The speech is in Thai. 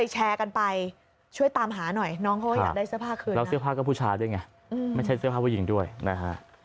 ใช้เสื้อผ้ากับผู้ชายด้วยไงไม่ใช้เสื้อผ้าผู้หญิงด้วยนะฮะ